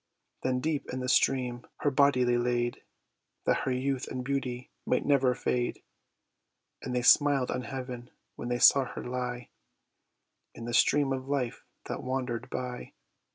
Then deep in the stream her body they laid, That her youth and beauty might never fade; And they smiled on heaven, when they saw her lie In the stream of life that wander'd by.